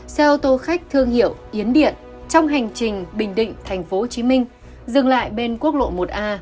xe ô tô khách thương hiệu yến điện trong hành trình bình định tp hcm dừng lại bên quốc lộ một a